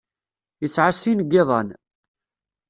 Yesɛa sin n yiḍan.